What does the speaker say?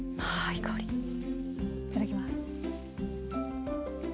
いただきます。